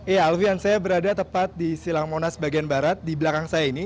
ya alfian saya berada tepat di silang monas bagian barat di belakang saya ini